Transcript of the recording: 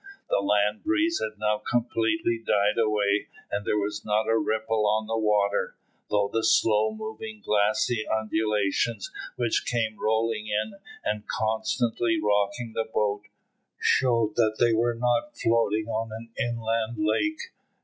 The land breeze had now completely died away, and there was not a ripple on the water, though the slow moving glassy undulations which came rolling in and constantly rocking the boat, showed that they were not floating on an inland lake.